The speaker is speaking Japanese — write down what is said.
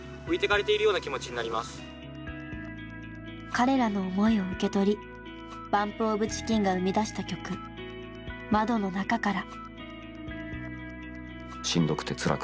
彼らの思いを受け取りＢＵＭＰＯＦＣＨＩＣＫＥＮが生み出した曲「窓の中から」。